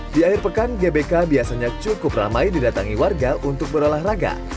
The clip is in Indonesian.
di akhir pekan gbk biasanya cukup ramai didatangi warga untuk berolahraga